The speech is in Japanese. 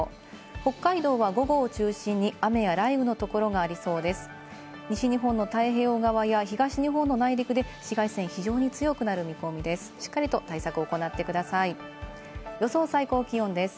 北海道は午後を中心に雨や雷雨の所がありそうです。